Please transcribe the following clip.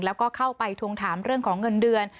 แล้วก็เข้าไปทวงถามเรื่องของเงินเดือน